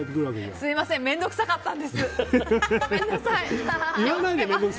すみません面倒くさかったんです。